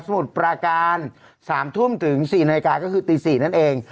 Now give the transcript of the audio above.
มุดปราการ๓ทุ่มถึง๔นาฬิกาก็คือตี๔นั่นเอง